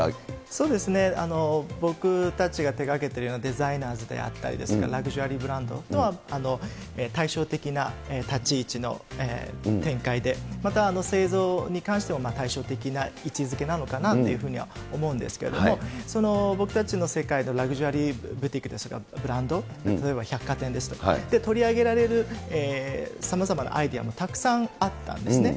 そうですね、僕たちが手がけたデザイナーズであったりですとか、ラグジュアリーブランドとは対照的な立ち位置の展開で、また製造に関しても対照的な位置づけなのかなというふうには思うんですけれども、僕たちの世界のブティックですとか、ブランド、例えば百貨店ですとか、で取り上げられるさまざまなアイデアもたくさんあったんですね。